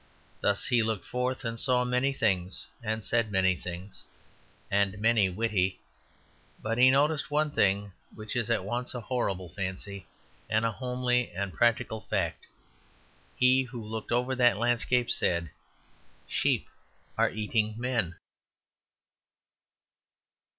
Thus he looked forth, and saw many things and said many things; they were all worthy and many witty; but he noted one thing which is at once a horrible fancy and a homely and practical fact. He who looked over that landscape said: "Sheep are eating men."